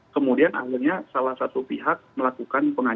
kemudian akhirnya salah satu pihak melakukan pengawasan